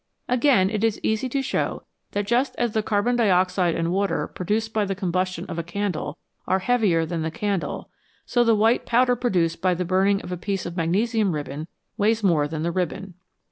Again, it is easy to show that just as the carbon dioxide and water produced by the combustion of a candle are heavier than the candle, so the white powder produced by burning a piece of magnesium ribbon weighs more than the ribbon.